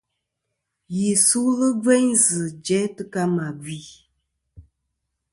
Yi sulɨ gveyn zɨ̀ jæ tɨ ka mà gvi.